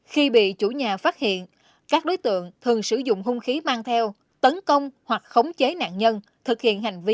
khi bị chủ nhà phát hiện các đối tượng thường sử dụng hung khí mang theo tấn công hoặc khống chế nạn nhân thực hiện hành vi